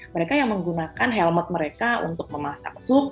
mereka yang menggunakan helmet mereka untuk memasak sup